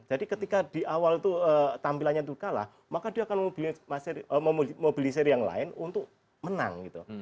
jadi ketika di awal itu tampilannya itu kalah maka dia akan memobilisir yang lain untuk menang gitu